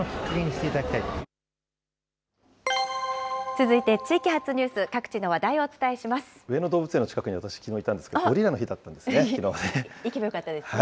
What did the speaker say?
続いて地域発ニュース、上野動物園の近くに私、きのう行ったんですけど、ゴリラの日だったんですね、行けばよかったですね。